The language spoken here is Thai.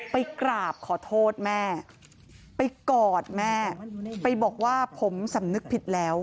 ไปกราบขอโทษแม่ไปกอดแม่ไปบอกว่าผมสำนึกผิดแล้ว